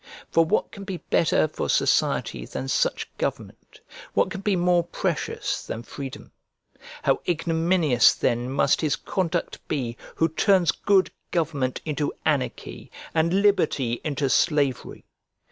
For what can be better for society than such government, what can be more precious than freedom? How ignominious then must his conduct be who turns good government into anarchy, and liberty into slavery?